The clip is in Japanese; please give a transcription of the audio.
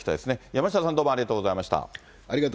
山下さん、どうもありがとうございました。